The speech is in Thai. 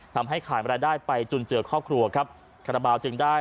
ทำให้ขายบรรดาได้ไปจนเจอก็ครอบครัวกับคาราบาลได้